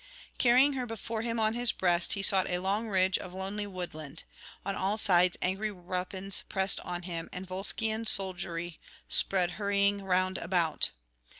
Carrying her before him on his breast, he sought a long ridge of lonely woodland; on all sides angry weapons pressed on him, and Volscian soldiery spread hurrying round about.